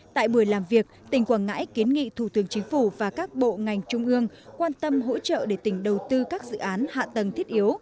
tại buổi làm việc tỉnh quảng ngãi kiến nghị thủ tướng chính phủ và các bộ ngành trung ương quan tâm hỗ trợ để tỉnh đầu tư các dự án hạ tầng thiết yếu